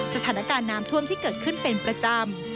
สถานการณ์น้ำท่วมที่เกิดขึ้นเป็นประจำ